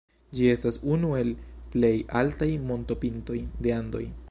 Ĝi estas unu el plej altaj montopintoj de Andoj.